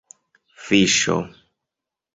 fiŝo